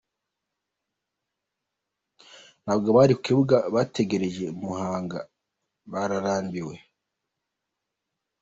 Ntabwo abari ku kibuga bategereje Muhanga barambiwe.